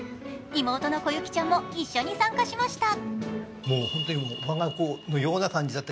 妹のコユキちゃんも一緒に参加しました。